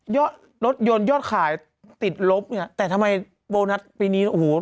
ยอดรถยนต์ยอดขายติดลบเนี่ยแต่ทำไมโบนัสปีนี้โอ้โห